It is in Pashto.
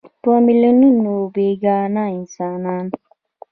په میلیونونو بېګناه انسانان.